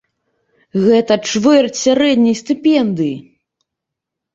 Гэта чвэрць сярэдняй стыпендыі!